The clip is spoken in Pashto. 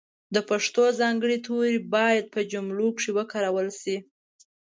د پښتو ځانګړي توري باید په جملو کښې وکارول سي.